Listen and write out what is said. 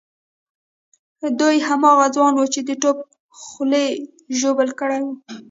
دی هماغه ځوان وو چې د توپ خولۍ ژوبل کړی وو.